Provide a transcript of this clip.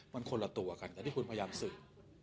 มันคนละตัวกันกับที่คุณพยายามสื่อ